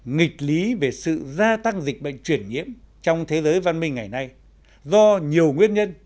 nghịch lý về sự gia tăng dịch bệnh truyền nhiễm trong thế giới văn minh ngày nay do nhiều nguyên nhân